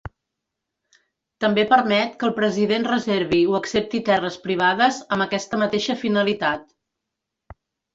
També permet que el president reservi o accepti terres privades amb aquesta mateixa finalitat.